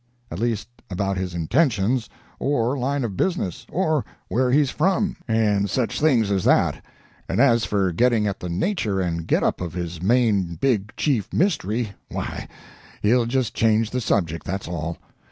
At least about his intentions, or line of business, or where he's from, and such things as that. And as for getting at the nature and get up of his main big chief mystery, why, he'll just change the subject, that's all.